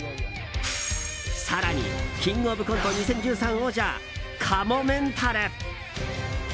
更に「キングオブコント２０１３」王者、かもめんたる！